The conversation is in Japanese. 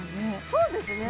そうですね